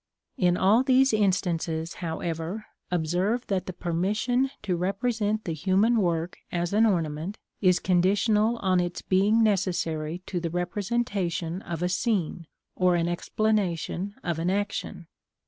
In all these instances, however, observe that the permission to represent the human work as an ornament, is conditional on its being necessary to the representation of a scene, or explanation of an action.